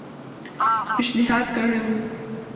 پېشنهاد کړی وو.